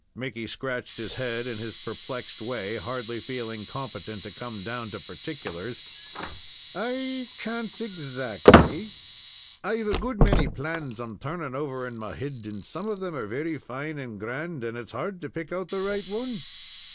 Mickey scratched his head in his perplexed way, hardly feeling competent to come down to particulars. "I can't, exactly; I've a good many plans I'm turning over in my head, and some of them are very fine and grand, and its hard to pick out the right one."